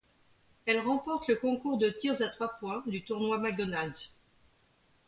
Elle remporte le concours de tirs à trois points du tournoi McDonald's.